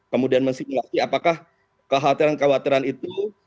kemudian mensimulasi apakah kekhawatiran kekhawatiran itu